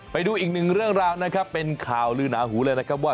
ไปดูอีกหนึ่งเรื่องราวนะครับเป็นข่าวลือหนาหูเลยนะครับว่า